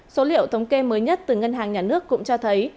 số liệu thống kê mới nhất từ ngân hàng nhà nước cũng cho thấy